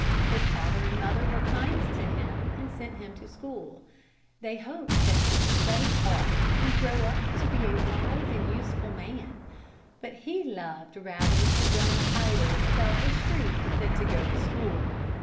His father and mother were kind to him and sent him to school. They hoped that he would study hard and grow up to be a wise and useful man, but he loved rather to run idle about the street than to go to school.